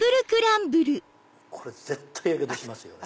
これ絶対ヤケドしますよね。